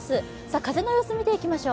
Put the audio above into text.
風の様子見ていきましょう。